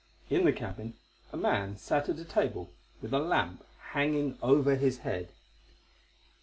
In the cabin a man sat at a table with a lamp hanging over his head.